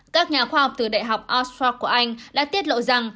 các nhà khoa học từ đại học oxford của anh đã tiết lộ rằng